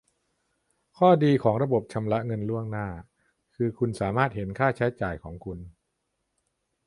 ข้อดีของระบบชำระเงินล่วงหน้าคือคุณสามารถเห็นค่าใช้จ่ายของคุณ